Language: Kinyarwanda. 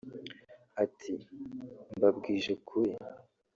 Ati “Mbabwije ukuri